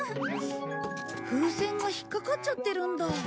風船が引っかかっちゃってるんだ。